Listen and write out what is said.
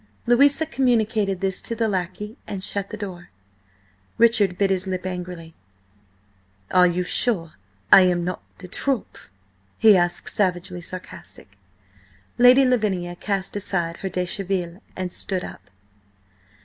Louisa communicated this to the lackey and shut the door. Richard bit his lip angrily. "Are you sure I am not de trop?" he asked, savagely sarcastic. Lady Lavinia cast aside her déshabillé and stood up.